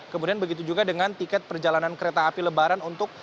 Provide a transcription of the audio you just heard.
kemudian begitu juga dengan tiket perjalanan kereta api lebaran untuk